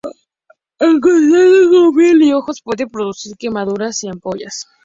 En contacto con piel y ojos puede producir quemaduras y ampollas.